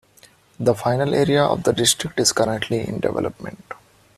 The final area of the district is currently in development.